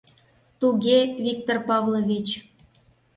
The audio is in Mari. — Туге, Виктор Павлович...